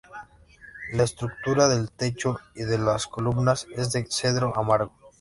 La estructura del techo y de las columnas es de cedro amargo.